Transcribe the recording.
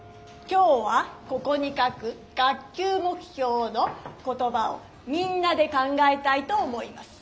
今日はここに書く学級目標の言ばをみんなで考えたいと思います。